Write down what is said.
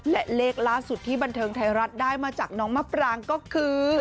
และเลขล่าสุดที่บันเทิงไทยรัฐได้มาจากน้องมะปรางก็คือ